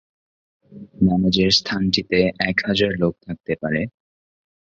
নামাজের স্থানটিতে এক হাজার লোক থাকতে পারে।